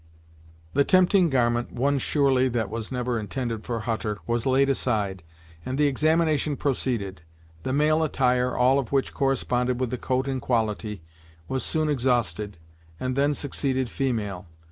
The tempting garment, one surely that was never intended for Hutter, was laid aside, and the examination proceeded. The male attire, all of which corresponded with the coat in quality, was soon exhausted, and then succeeded female.